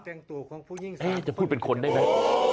เอ๊ะจะพูดเป็นคนได้ไหม